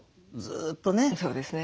そうですね。